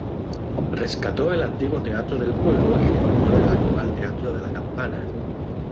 Rescató el antiguo Teatro del Pueblo y levantó el actual Teatro de la Campana.